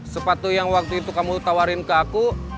sepatu yang waktu itu kamu tawarin ke aku